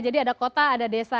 jadi ada kota ada desa